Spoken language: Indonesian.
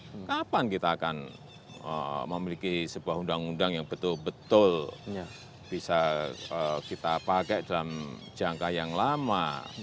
nah kapan kita akan memiliki sebuah undang undang yang betul betul bisa kita pakai dalam jangka yang lama